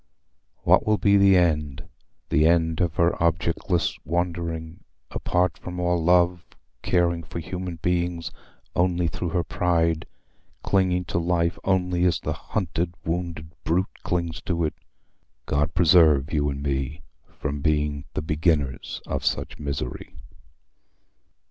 What will be the end, the end of her objectless wandering, apart from all love, caring for human beings only through her pride, clinging to life only as the hunted wounded brute clings to it? God preserve you and me from being the beginners of such misery!